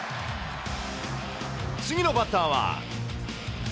次のバッターは。